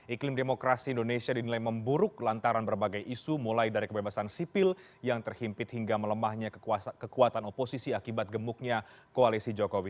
iklim demokrasi indonesia dinilai memburuk lantaran berbagai isu mulai dari kebebasan sipil yang terhimpit hingga melemahnya kekuatan oposisi akibat gemuknya koalisi jokowi